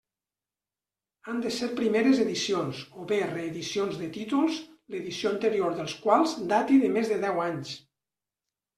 Han de ser primeres edicions, o bé reedicions de títols l'edició anterior dels quals dati de més de deu anys.